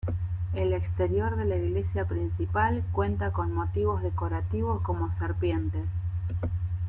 El exterior de la iglesia principal cuenta con motivos decorativos como serpientes.